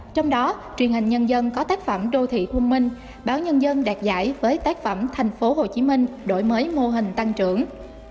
trong đó truyền hình nhân dân có tác phẩm đô thị thông minh báo nhân dân đạt giải với tác phẩm tp hcm đổi mới mô hình tăng trưởng